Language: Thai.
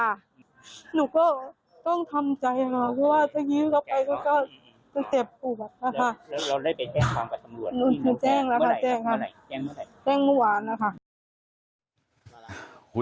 หนูก็ต้องทำใจมากว่าจะยืนเข้าไปก็เจ็บปวดนะคะ